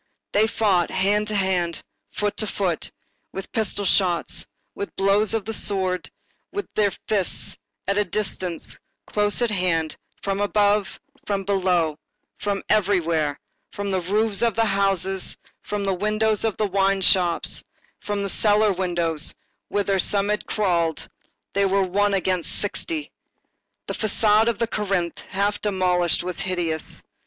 They fought hand to hand, foot to foot, with pistol shots, with blows of the sword, with their fists, at a distance, close at hand, from above, from below, from everywhere, from the roofs of the houses, from the windows of the wine shop, from the cellar windows, whither some had crawled. They were one against sixty. The façade of Corinthe, half demolished, was hideous.